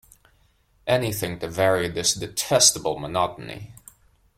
Anything to vary this detestable monotony.